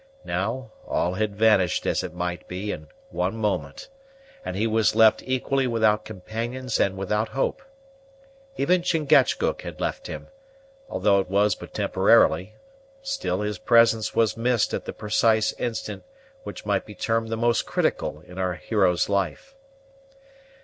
Now, all had vanished, as it might be, in one moment; and he was left equally without companions and without hope. Even Chingachgook had left him, though it was but temporarily; still his presence was missed at the precise instant which might be termed the most critical in our hero's life.